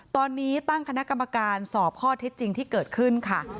ตอนนี้ตั้งคณะกรรมการสอบข้อเท็จจริงที่เกิดขึ้นค่ะ